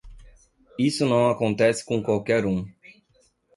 Isso não acontece com qualquer um!